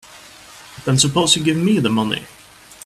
Then suppose you give me the money.